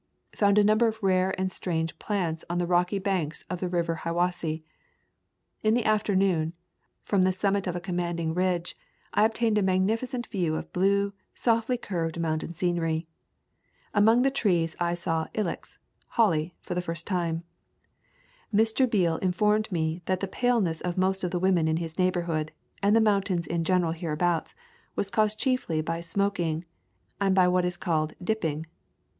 Found a number of rare and strange plants on the rocky banks of the river Hiwassee. In the afternoon, from the summit of a commanding ridge, I obtained a magnificent view of blue, softly curved mountain scenery. Among the trees I saw Ilex [Holly] for the first time. Mr. Beale informed me that the paleness of most of the women in his neighborhood, and the mountains in general hereabouts, was caused chiefly by smoking and by what is called "dip ping."